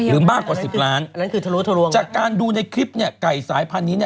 หรือมากกว่า๑๐ล้านบาทจากการดูในคลิปไก่สายพันธุ์นี้